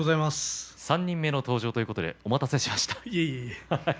３人目ということでお待たせしました。